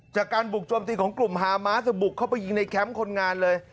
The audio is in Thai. จากการบุกโจมตีของกลุ่มฮามาสบุกเข้าไปยิงในแคมป์คนงานเลย